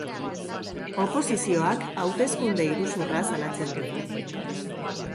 Oposizioak hauteskunde iruzurra salatzen du.